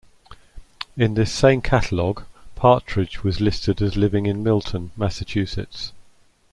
In this same catalog Partridge was listed as living in Milton, Massachusetts.